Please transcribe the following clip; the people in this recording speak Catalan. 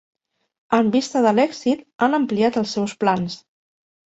En vista de l'èxit, han ampliat els seus plans.